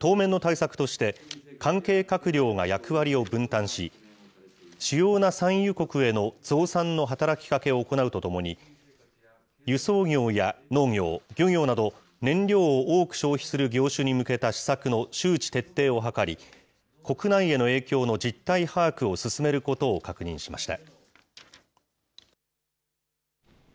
当面の対策として、関係閣僚が役割を分担し、主要な産油国への増産の働きかけを行うとともに、輸送業や農業、漁業など、燃料を多く消費する業種に向けた施策の周知徹底を図り、国内への影響の実態把握を進めることを確認しました。